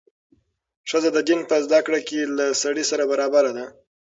ښځه د دین په زده کړه کې له سړي سره برابره ده.